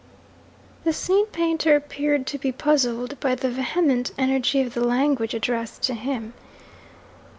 The scene painter appeared to be puzzled by the vehement energy of the language addressed to him.